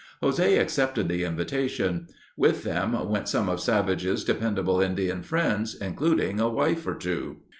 José accepted the invitation. With them went some of Savage's dependable Indian friends, including a wife or two.